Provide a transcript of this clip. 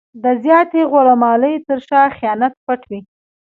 د زیاتې غوړه مالۍ تر شا خیانت پټ وي.